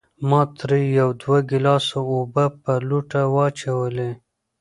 ما ترې يو دوه ګلاسه اوبۀ پۀ لوټه واچولې